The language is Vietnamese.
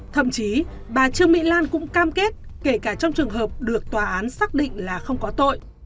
thậm chí bà trương mỹ lan cũng cam kết kể cả trong trường hợp được tòa án xác định là không có tội